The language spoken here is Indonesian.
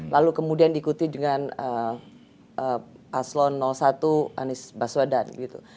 lalu kemudian diikuti dengan paslon satu anies baswedan gitu